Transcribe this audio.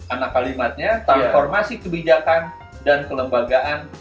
anak kalimatnya transformasi kebijakan dan kelembagaan